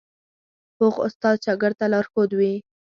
پوخ استاد شاګرد ته لارښود وي